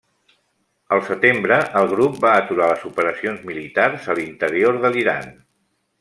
El setembre el grup va aturar les operacions militars a l'interior de l'Iran.